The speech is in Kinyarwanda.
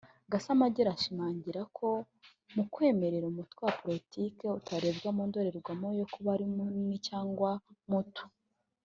Gasamagera ashimangira ko mu kwemerera umutwe wa politiki utareberwa mu ndorerwamo yo kuba ari munini cyangwa muto